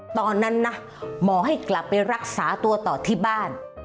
ตอนนั้นนะหมอให้กลับไปรักษาตัวต่อที่บ้าน